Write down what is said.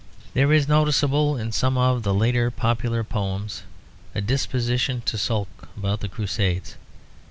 There is noticeable in some of the later popular poems a disposition to sulk about the Crusades.